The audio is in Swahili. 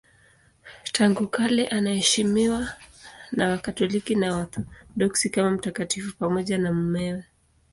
Tangu kale anaheshimiwa na Wakatoliki na Waorthodoksi kama mtakatifu pamoja na mumewe.